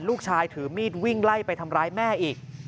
ถือมีดวิ่งไล่ไปทำร้ายแม่อีก